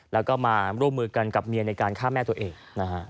แล้วก็มาร่วมมือกันกับเมียในการฆ่าแม่ตัวเองนะฮะ